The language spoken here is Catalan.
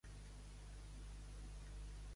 El nou d'octubre na Sira i na Mariona iran a Anna.